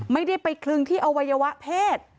ไม่ได้ไปคลึงที่อวัยวะเพศ